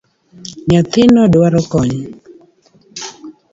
Nyathino dwaro kony